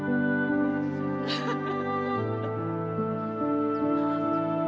aku saling melahirkanmu